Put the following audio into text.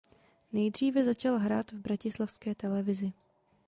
Nejdříve začal hrát v bratislavské televizi.